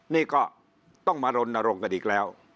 นี่ก็ต้องมารณรงค์กันอีกแล้ว